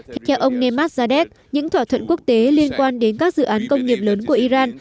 theo ông nemazadeh những thỏa thuận quốc tế liên quan đến các dự án công nghiệp lớn của iran